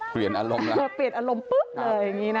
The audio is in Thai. เปลี่ยนอารมณ์แล้ว